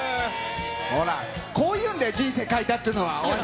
ほら、こういうんだよ、人生変えたっていうのは、大橋君。